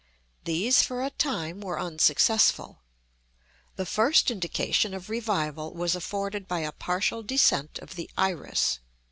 These, for a time, were unsuccessful. The first indication of revival was afforded by a partial descent of the iris.